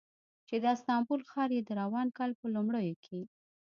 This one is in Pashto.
چې د استانبول ښار یې د روان کال په لومړیو کې